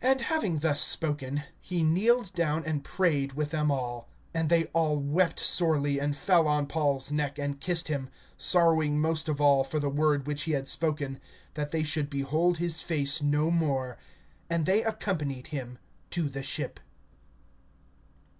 (36)And having thus spoken, he kneeled down, and prayed with them all. (37)And they all wept sorely, and fell on Paul's neck, and kissed him; (38)sorrowing most of all for the word which he had spoken, that they should behold his face no more. And they accompanied him to the ship.